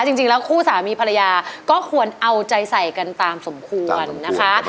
จริงแล้วคู่สามีภรรยาก็ควรเอาใจใส่กันตามสมควรนะคะ